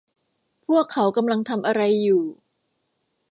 พวกเขากำลังทำอะไรอยู่